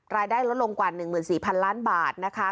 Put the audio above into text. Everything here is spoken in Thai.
รายได้ลดลงกว่า๑๔๐๐๐ล้านบาทนะคะ